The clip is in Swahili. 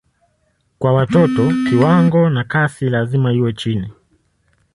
Kwa watoto kiwango na kasi lazima iwe chini.